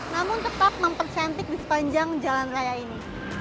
namun tetap mempercantik di sepanjang jalan raya ini